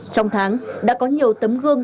trong tháng đã có nhiều tấm gương